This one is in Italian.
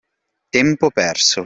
Tempo perso!